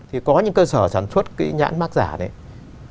thì có những cơ sở sản xuất cái nhãn mạc giả này